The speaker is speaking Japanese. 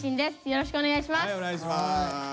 よろしくお願いします。